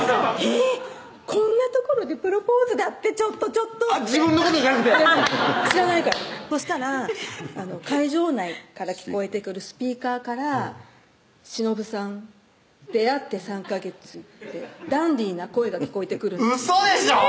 こんな所でプロポーズだってちょっと」って自分のことじゃなくて知らないからそしたら会場内から聞こえてくるスピーカーから「忍さん出会って３ヵ月」ってダンディーな声が聞こえてくるんですウソでしょ